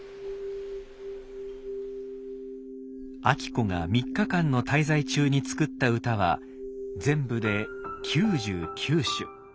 晶子が３日間の滞在中に作った歌は全部で９９首。